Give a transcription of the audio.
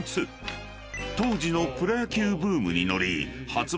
［当時のプロ野球ブームに乗り］